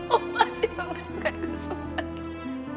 oh masih memberikan kesempatan